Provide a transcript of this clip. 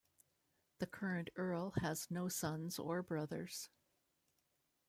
The current Earl has no sons or brothers.